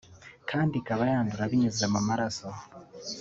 kandi ikaba yandura binyuze mu maraso